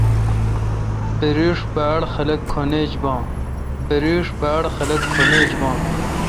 بریش باڑ خاق کھن ایج بان۔